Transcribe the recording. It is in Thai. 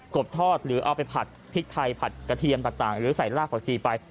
บทอดหรือเอาไปผัดพริกไทยผัดกระเทียมต่างหรือใส่ลากผักชีไป